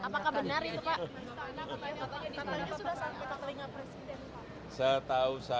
dan menampar wamen itu bagaimana pak